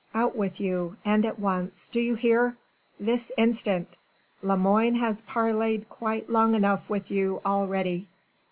Out with you and at once do you hear?... this instant ... Lemoine has parleyed quite long enough with you already!"